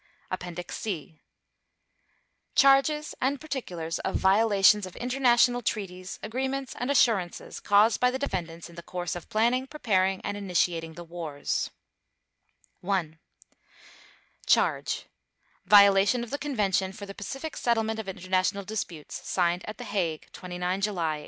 APPENDIX C _Charges and Particulars of Violations of International Treaties, Agreements, and Assurances Caused by the Defendants in the Course of Planning, Preparing, and Initiating the Wars_ I CHARGE: _Violation of the Convention for the Pacific Settlement of International Disputes, signed at The Hague, 29 July 1899.